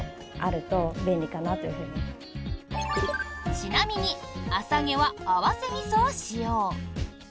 ちなみに、あさげは合わせみそを使用。